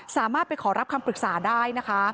สามารถไปขอรับคำปรึกษาได้นะคะ